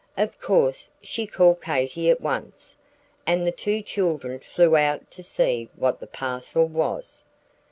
Of course she called Katy at once, and the two children flew out to see what the parcel was.